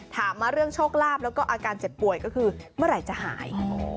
ถามมาเรื่องโชคลาภแล้วก็อาการเจ็บป่วยก็คือเมื่อไหร่จะหาย